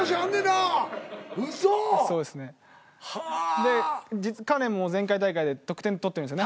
で彼も前回大会で得点取ってるんですよね